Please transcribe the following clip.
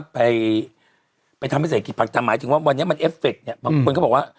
ไปทำให้เสียผลักษ์กำไมถึงว่าวันนี้มันเอกเฟคเนี้ยบางคนก็บอกว่า